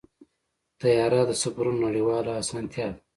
طیاره د سفرونو نړیواله اسانتیا ده.